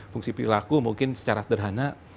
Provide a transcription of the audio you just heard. fungsi perilaku mungkin secara sederhana